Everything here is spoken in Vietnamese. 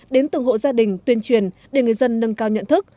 đến từng hộ gia đình tuyên truyền để người dân nâng cao nhận thức